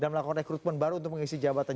dan melakukan rekrutmen baru untuk mengisi jabatan